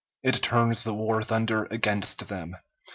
It turns the war thunder against them.